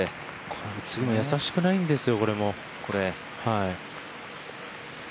これ次も易しくないんですよ